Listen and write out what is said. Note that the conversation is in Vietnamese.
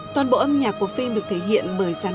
toàn bộ âm nhạc của phim được thể hiện bởi gián